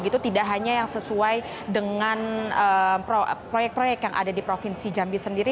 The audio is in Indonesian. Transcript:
tidak hanya yang sesuai dengan proyek proyek yang ada di provinsi jambi sendiri